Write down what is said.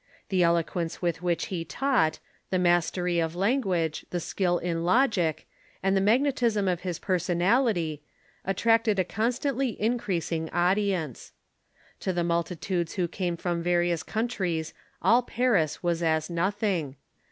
The eloquence with which he taught, the mastery of language, the skill in loafic, and the mascnetism of his person Abelard's Fame ,.,,. .1 •• i ality, attracted a constantly increasmg audience. To the multitudes who came from various countries all Paris was as nothing.